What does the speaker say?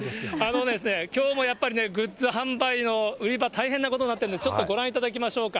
きょうもやっぱりね、グッズ販売の売り場、大変なことになっているんで、ちょっとご覧いただきましょうか。